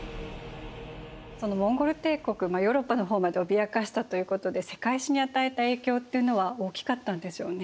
そのモンゴル帝国ヨーロッパの方まで脅かしたということで世界史に与えた影響っていうのは大きかったんでしょうね。